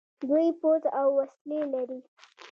دوی پوځ او وسلې لري.